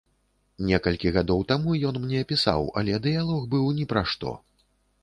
Некалькі гадоў таму ён мне пісаў, але дыялог быў ні пра што.